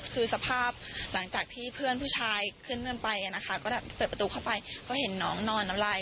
คือสภาพหลังจากที่เพื่อนผู้ชายขึ้นเงินไปนะคะก็เปิดประตูเข้าไปก็เห็นน้องนอนน้ำลาย